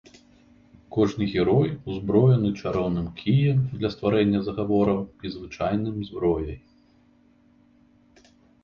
Кожны герой узброены чароўным кіем для стварэння загавораў і звычайным зброяй.